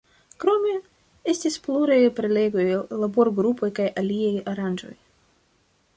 Krome estis pluraj prelegoj, laborgrupoj kaj aliaj aranĝoj.